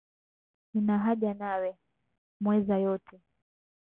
Nina haja nawe, mweza yote.